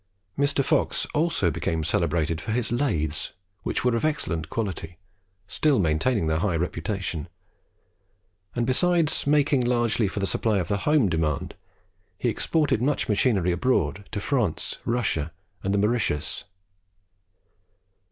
Mr. Fox also became celebrated for his lathes, which were of excellent quality, still maintaining their high reputation; and besides making largely for the supply of the home demand, he exported much machinery abroad, to France, Russia, and the Mauritius.